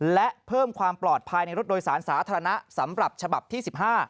และเพิ่มความปลอดภัยในรถโดยสารสาธารณะสำหรับฉบับที่๑๕